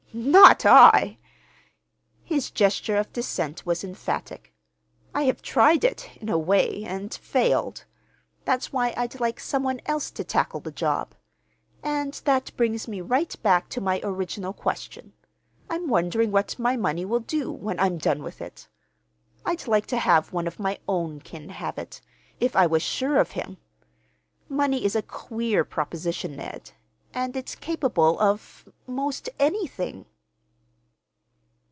"Not I!" His gesture of dissent was emphatic. "I have tried it, in a way, and failed. That's why I'd like some one else to tackle the job. And that brings me right back to my original question. I'm wondering what my money will do, when I'm done with it. I'd like to have one of my own kin have it—if I was sure of him. Money is a queer proposition, Ned, and it's capable of—'most anything."